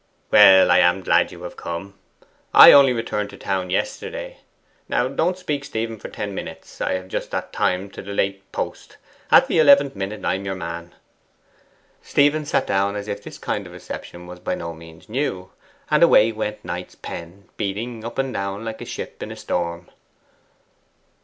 'Well, I am glad you have come. I only returned to town yesterday; now, don't speak, Stephen, for ten minutes; I have just that time to the late post. At the eleventh minute, I'm your man.' Stephen sat down as if this kind of reception was by no means new, and away went Knight's pen, beating up and down like a ship in a storm.